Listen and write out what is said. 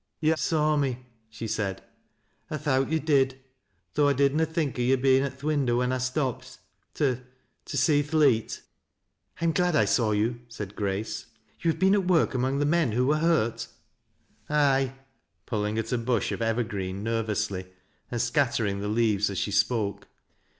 " Yo' saw me," she said. "I thowt yo' did though i did na think o' yo' bein' at th' winder when I btopped to — to see th' leet." " I am glad I saw you," said Grace. " You have beei at work among the men who were hurt ?"" Ay," pulling at a bush of evergreen nervously, and Bcattering the leaves as she spoke.